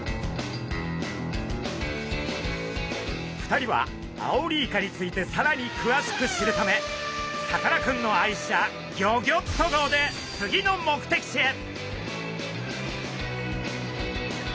２人はアオリイカについてさらにくわしく知るためさかなクンの愛車ギョギョッと号で次の目的地へ！